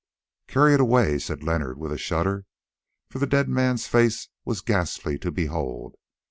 "Carry it away," said Leonard with a shudder, for the dead man's face was ghastly to behold.